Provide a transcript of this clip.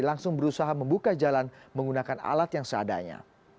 langsung berusaha membuka jalan menggunakan alat yang seadanya